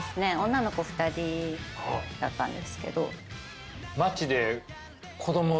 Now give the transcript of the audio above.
女の子２人だったんですけど。